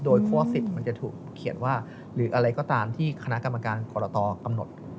โดยข้อ๑๐มันจะถูกเขียนว่าหรืออะไรก็ตามที่คณะกรรมการกรตกำหนด